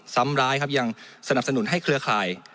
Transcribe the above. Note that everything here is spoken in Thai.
ซ้ำร้ายครับยังสนับสนุนให้เครือข่าย